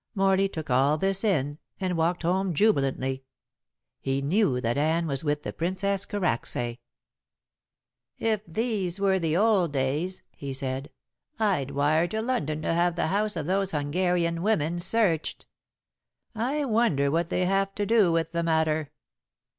Morley took all this in, and walked home jubilantly. He knew that Anne was with the Princess Karacsay. "If these were the old days," he said, "I'd wire to London to have the house of those Hungarian women searched. I wonder what they have to do with the matter?